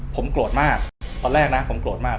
ผมโกรธมากตอนแรกนะผมโกรธมาก